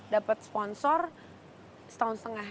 dapat sponsor setahun setengah